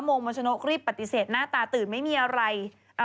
งมัชนกรีบปฏิเสธหน้าตาตื่นไม่มีอะไร